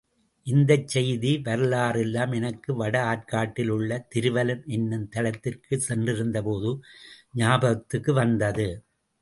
இந்தச் செய்தி, வரலாறு எல்லாம் எனக்கு வட ஆர்க்காட்டில் உள்ள திருவலம் என்னும் தலத்திற்குச் சென்றிருந்தபோது ஞாபகத்துக்கு வந்தது.